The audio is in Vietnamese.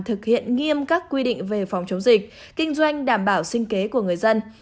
thực hiện nghiêm các quy định về phòng chống dịch kinh doanh đảm bảo sinh kế của người dân